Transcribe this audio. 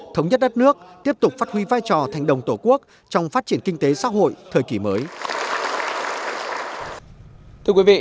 thống nhất đất nước tiếp tục phát huy vai trò thành đồng tổ quốc trong phát triển kinh tế xã hội thời kỳ mới